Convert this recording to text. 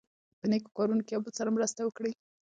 په نېکو کارونو کې یو بل سره مرسته وکړئ.